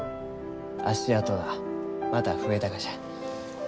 足跡がまた増えたがじゃ。